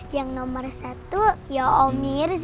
yang nomor satu ya om mirza